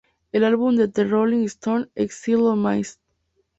El álbum de The Rolling Stones, Exile On Main St.